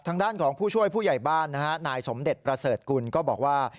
ทางด้านของผู้ช่วยผู้ใหญ่บ้านนะฮะนายสมเด็จประเสริฐกุลก็บอกว่า